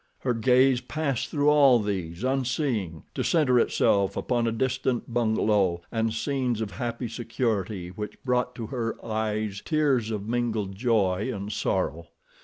Her gaze passed through all these, unseeing, to center itself upon a distant bungalow and scenes of happy security which brought to her eyes tears of mingled joy and sorrow.